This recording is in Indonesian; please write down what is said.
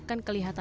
yang kami sewa